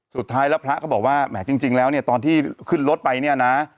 สุดท้ายแล้วพระก็บอกว่าแหมจริงแล้วเนี่ยตอนที่ขึ้นรถไปเนี่ยนะ